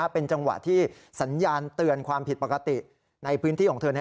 เป็นจังหวะที่สัญญาณเตือนความผิดปกติในพื้นที่ของเธอ